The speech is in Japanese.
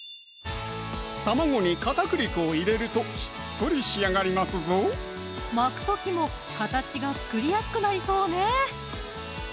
卵に片栗粉を入れるとしっとり仕上がりますぞ巻く時も形が作りやすくなりそうね